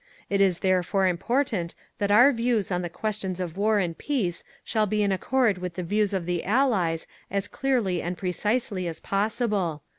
_ It is therefore important that our views on the questions of war and peace shall be in accord with the views of the Allies as clearly and precisely as possible….